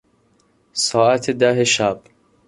ساعت ده شب